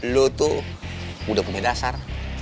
lo tuh udah punya dasar